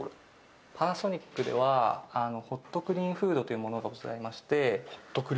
パナソニックではほっとくリーンフードというものがございまして。